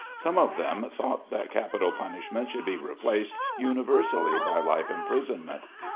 Some of them thought that capital punishment should be replaced universally by life imprisonment.